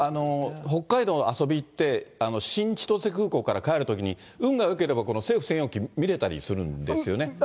北海道遊びに行って、新千歳空港から帰るときに、運がよければ、この政府専用機、見れたりするんですよね。